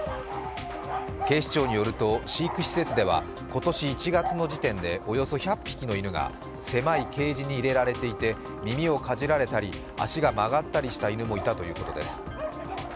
警視庁によると飼育施設では今年１月の時点でおよそ１００匹の犬が狭いケージに入れられていて、耳をかじられたり、足が曲がったりした犬もいたということです。